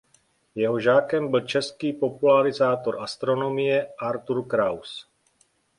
Jeho žákem byl český popularizátor astronomie Artur Kraus.